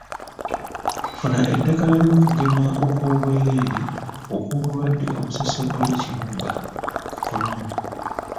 Funa eddagala ly'okugema okwoberere okw'obulwadde obusesebbula ekibumba e Kololo.